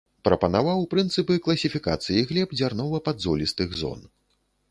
Прапанаваў прынцыпы класіфікацыі глеб дзярнова-падзолістых зон.